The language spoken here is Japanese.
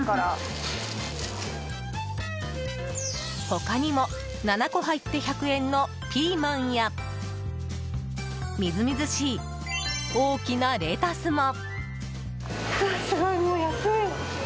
他にも、７個入って１００円のピーマンやみずみずしい大きなレタスも。